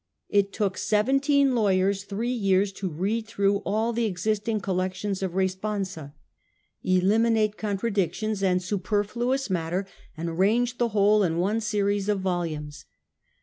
It took seventeen lawyers three years to read through all the existing collections of responsa, eliminate con tradictions and superfluous matter, and rearrange the whole in one series of volumes.